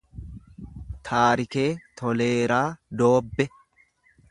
Taarikee Toleeraa Doobbe